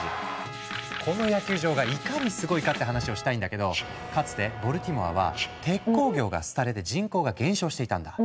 この野球場がいかにすごいかって話をしたいんだけどかつてボルティモアは鉄鋼業が廃れて人口が減少していたんだ。